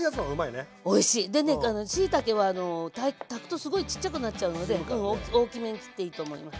でねしいたけは炊くとすごいちっちゃくなっちゃうので大きめに切っていいと思います。